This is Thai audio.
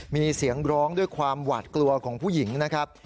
มีเสียงร้องด้วยความหวาดกลัวของผู้หญิงนะครับ